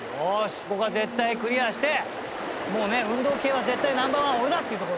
ここは絶対クリアしてもうね運動系は絶対ナンバーワンは俺だっていうところをね